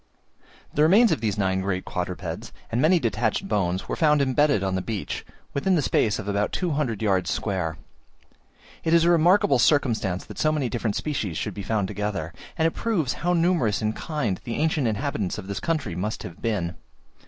The remains of these nine great quadrupeds, and many detached bones, were found embedded on the beach, within the space of about 200 yards square. It is a remarkable circumstance that so many different species should be found together; and it proves how numerous in kind the ancient inhabitants of this country must have been.